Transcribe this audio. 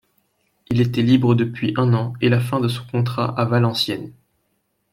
Il était libre depuis un an et la fin de son contrat à Valenciennes.